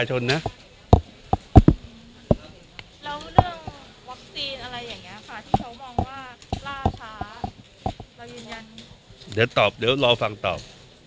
ยืนยันเดี๋ยวตอบเดี๋ยวรอฟังตอบ